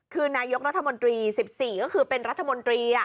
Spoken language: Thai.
คือนายกรัฐมนตรี๑๔ก็คือเป็นรัฐมนตรี